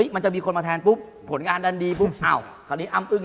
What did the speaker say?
มันจะออกไปโอเค